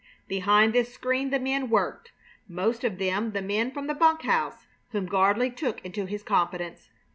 Behind this screen the men worked most of them the men from the bunk house, whom Gardley took into his confidence.